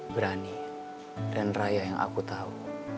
berani dan raya yang aku tahu